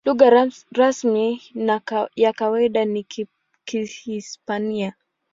Lugha rasmi na ya kawaida ni Kihispania.